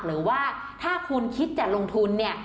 หรือว่าถ้าคุณคิดจะลงทุนเนี่ย